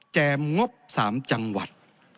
แจมงบ๓จังหวัด